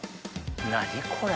何これ！